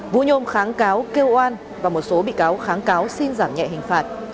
vũ nhôm kháng cáo kêu oan và một số bị cáo kháng cáo xin giảm nhẹ hình phạt